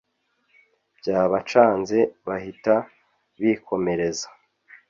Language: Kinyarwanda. Byabacanze bahita bikomereza